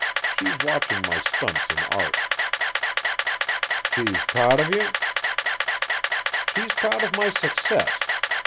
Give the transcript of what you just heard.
She's watching my stunts in art." "She's proud of you?" "She's proud of my success."